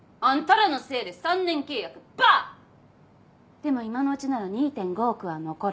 でも今のうちなら２．５億は残る。